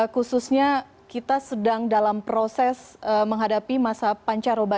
khususnya kita sedang dalam proses menghadapi masa pancaroba